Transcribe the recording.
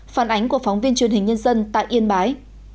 phản ánh của phóng viên truyền hình nhân dân tại yên bái